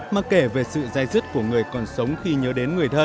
mà kể về sự dai dứt của người còn sống khi nhớ đến người thân